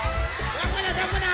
どこだどこだ？